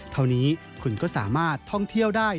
เท่านี้คุณก็สามารถท่องเที่ยวได้